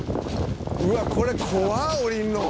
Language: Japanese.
「うわっこれ怖っ！下りるの」